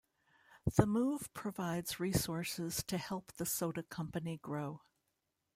The move provides resources to help the soda company grow.